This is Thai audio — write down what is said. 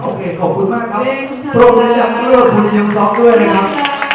โอเคขอบคุณมากครับพรอยังสังเบียบปรีหี๊วซ็อกซ์ด้วยนะครับ